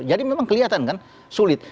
jadi memang kelihatan kan sulit